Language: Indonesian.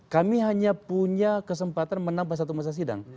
kami hanya punya kesempatan menambah satu masa sidang